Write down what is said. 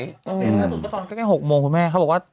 ล่าสุดก็ตอนใกล้๖โมงคุณแม่เขาบอกว่า